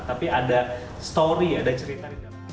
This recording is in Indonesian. tapi ada story ada cerita